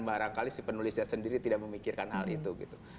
barangkali si penulisnya sendiri tidak memikirkan hal itu gitu